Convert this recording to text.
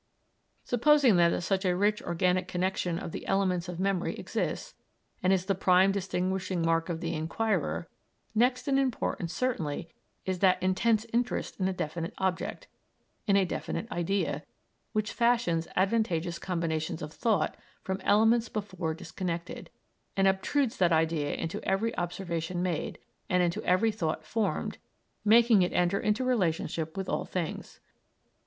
Supposing, then, that such a rich organic connexion of the elements of memory exists, and is the prime distinguishing mark of the inquirer, next in importance certainly is that intense interest in a definite object, in a definite idea, which fashions advantageous combinations of thought from elements before disconnected, and obtrudes that idea into every observation made, and into every thought formed, making it enter into relationship with all things.